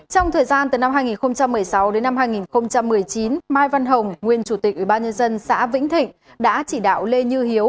trong thời gian từ năm hai nghìn một mươi sáu đến năm hai nghìn một mươi chín mai văn hồng nguyên chủ tịch ubnd xã vĩnh thịnh